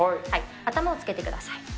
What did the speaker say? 頭をつけてください。